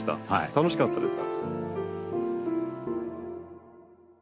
楽しかったです。